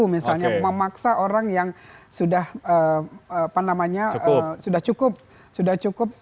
misalnya memaksa orang yang sudah cukup